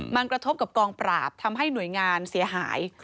มันกระทบกับกองปราบทำให้หน่วยงานเสียหาย